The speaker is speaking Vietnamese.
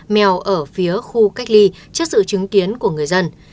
mèo ở phía khu cách ly trước sự chứng kiến của người dân